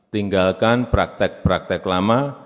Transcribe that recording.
tinggalkan praktek praktek lama